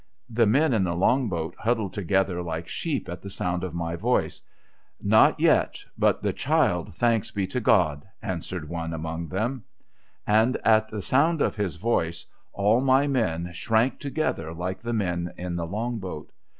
'I'he men in the Long boat huddled together like sheep at the sound of my voice. 'None yet, but the child, thanks be to God!' answered one among them. THE CAPTAIN SUCCUMBS 139 And at the sound of liis voice, all my men shrank together like the men in the Long boat.